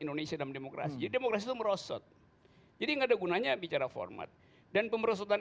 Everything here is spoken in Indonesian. indonesia dalam demokrasi demokrasi itu merosot jadi enggak ada gunanya bicara format dan pemerosotan